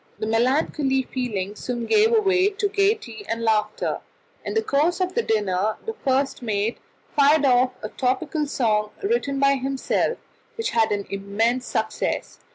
The melancholy feeling soon gave way to gaiety and laughter; in the course of the dinner the first mate fired off a topical song written by himself, which had an immense success.